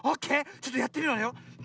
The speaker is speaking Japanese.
ちょっとやってみるわよ。